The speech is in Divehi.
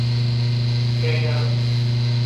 ޓްރެއިނަރ